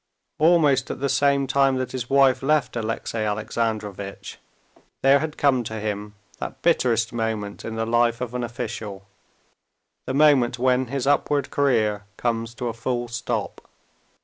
Almost at the same time that his wife left Alexey Alexandrovitch there had come to him that bitterest moment in the life of an official—the moment when his upward career comes to a full stop.